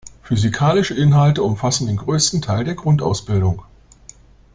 Physikalische Inhalte umfassen den größten Teil der Grundausbildung.